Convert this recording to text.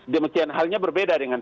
demikian halnya berbeda dengan